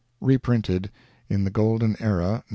[reprinted in the Golden Era, NOV.